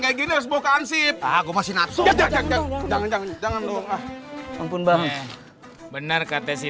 kayak gini sebuah kansip aku masih nafsu jangan jangan jangan dong ampun banget benar kata si